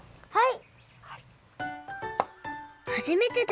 はい。